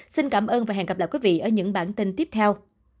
xin cảm ơn và hẹn gặp lại quý vị ở những bản tin tiếp theo